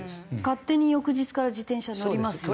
勝手に翌日から自転車に乗りますよね。